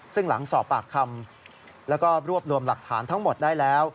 ซึ่งหลังสอบปากคำแล้วก็รวบรวมหลักฐานทั้งหมดได้แล้ว